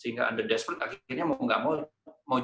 sehingga anda berdekatan akhirnya mau jualan